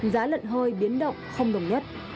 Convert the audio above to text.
giá lận hơi biến động không đồng nhất